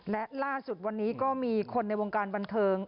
และล่าสุดวันนี้ก็มีคนในวงการบันเทิง